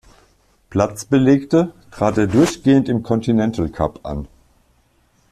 Platz belegte, trat er durchgehend im Continental Cup an.